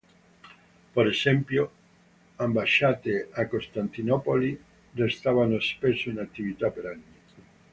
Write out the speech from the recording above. Per esempio, ambasciate a Costantinopoli restavano spesso in attività per anni.